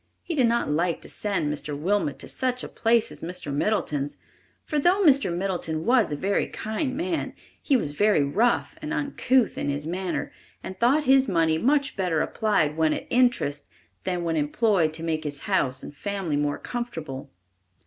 He did not like to send Mr. Wilmot to such a place as Mr. Middleton's, for though Mr. Middleton was a very kind man, he was very rough and uncouth in his manner and thought his money much better applied when at interest than when employed to make his house and family more comfortable.